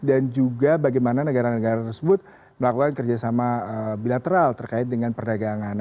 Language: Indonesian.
dan juga bagaimana negara negara tersebut melakukan kerjasama bilateral terkait dengan perdagangan